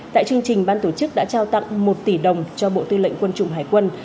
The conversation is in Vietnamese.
tại chương trình ban tổ chức đã trao tặng một tỷ đồng cho bộ tư lệnh quân chủng hải quân